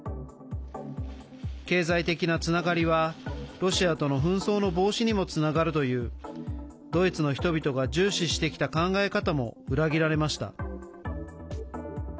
経済的なつながりは、ロシアとの紛争の防止にもつながるというドイツの人々が重視してきた考え方も裏切られました。